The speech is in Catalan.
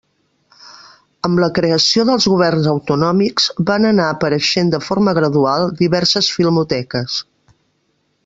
Amb la creació dels Governs autonòmics van anar apareixent de forma gradual diverses filmoteques.